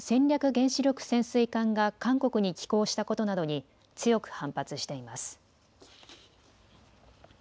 原子力潜水艦が韓国に寄港したことなどに強く反発しています。